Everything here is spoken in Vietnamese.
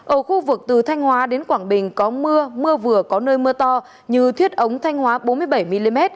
ở khu vực từ thanh hóa đến quảng bình có mưa mưa vừa có nơi mưa to như thiết ống thanh hóa bốn mươi bảy mm